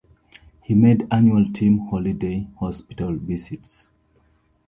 He made annual team holiday hospital visits.